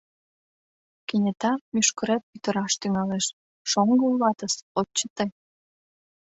Кенета мӱшкырет пӱтыраш тӱҥалеш, шоҥго улатыс, от чыте.